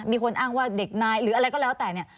มีคนอ้างว่าเด็กนายหรืออะไรก็แล้วแต่เนี่ย